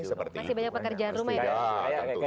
masih banyak pekerjaan rumah ya pak